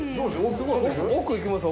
奥行きます？